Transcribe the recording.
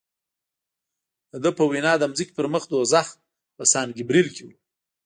د ده په وینا د ځمکې پر مخ دوزخ په سان ګبرېل کې و.